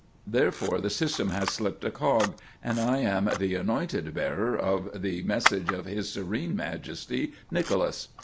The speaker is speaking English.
Therefore the system has slipped a cog, and I am the anointed bearer of the message of His Serene Majesty, Nicholas.